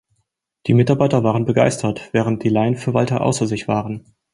Die Mitarbeiter waren begeistert, während die Laienverwalter außer sich waren.